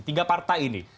tiga partai ini